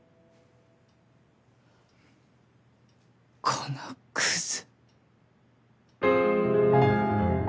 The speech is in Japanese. このクズ！